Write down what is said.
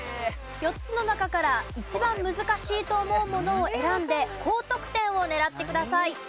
４つの中から一番難しいと思うものを選んで高得点を狙ってください。